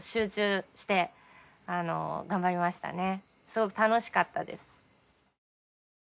すごく楽しかったです。